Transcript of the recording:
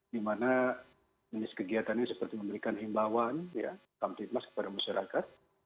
dimana jenis kegiatannya seperti memberikan himbawan ya kamtip mas kepada masyarakat